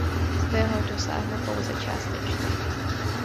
Svého dosáhne pouze částečně.